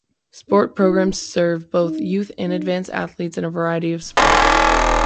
Sports programs serve both Youth and Advanced athletes in a variety of sports.